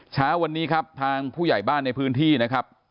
เช้าวันนี้ครับทางผู้ใหญ่บ้านในพื้นที่นะครับ